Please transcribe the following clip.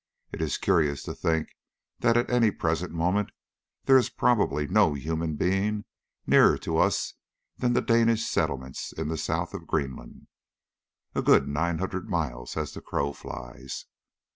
It is curious to think that at the present moment there is probably no human being nearer to us than the Danish settlements in the south of Greenland a good nine hundred miles as the crow flies.